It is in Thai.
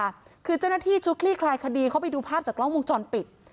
คือเจ้าหน้าที่ชุดคลี่คลายคดีเขาไปดูภาพจากกล้องวงจรปิด